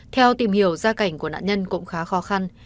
theo tìm hiểu gia cảnh của nạn nhân cũng khá khó khăn